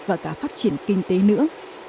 và cả phát triển kinh tế nữa